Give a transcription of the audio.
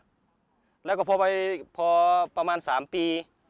แล้วก็พอไปพอประมาณ๓ปี